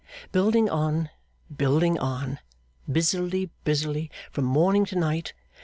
Building on, building on, busily, busily, from morning to night.